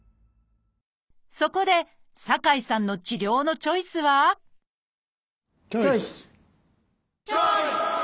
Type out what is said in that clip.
そこで酒井さんの治療のチョイスはチョイス！